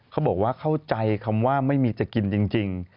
เขาบอกว่าเข้าใจคำว่าไม่มีจะกินจริง